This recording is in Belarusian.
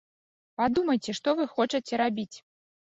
Падумайце, што вы хочаце рабіць!